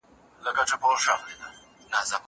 زه مخکي کتاب ليکلی و!؟